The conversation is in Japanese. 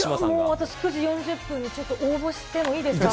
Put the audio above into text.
私、９時４０分にちょっと応募してもいいですか。